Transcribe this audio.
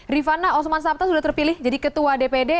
rifana osman sabta sudah terpilih jadi ketua dpd